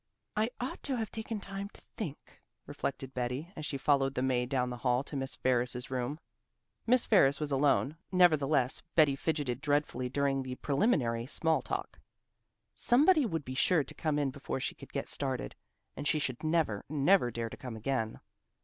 "I ought to have taken time to think," reflected Betty, as she followed the maid down the hall to Miss Ferris's rooms. Miss Ferris was alone; nevertheless Betty fidgeted dreadfully during the preliminary small talk. Somebody would be sure to come in before she could get started, and she should never, never dare to come again.